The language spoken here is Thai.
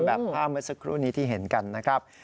แบบภาหมดสักครู่นี้ที่เห็นกันนะครับ